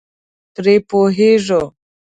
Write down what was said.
پرې پوهېږو.